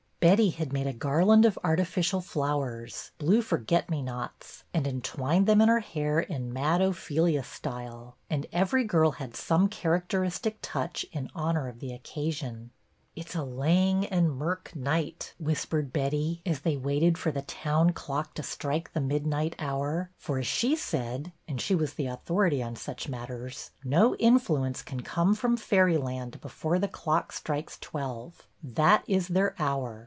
Betty had made a garland of arti ficial flowers — blue forget me nots — and entwined them in her hair in Mad Ophelia style ; and every girl had some character istic touch in honor of the occasion. " It 's a lang and mirk night," whispered Betty, as they waited for the town clock to strike the midnight hour, for, as she said — HALLOWE'EN I 21 and she was the authority on such matters —" No influence can come from fairyland before the clock strikes twelve. That is their hour.